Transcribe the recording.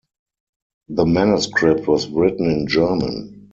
The manuscript was written in German.